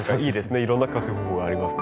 いろんな活用法がありますね。